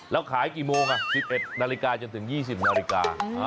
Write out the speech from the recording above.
แล้วขายกี่โมง๑๑นาฬิกาจนถึง๒๐นาฬิกา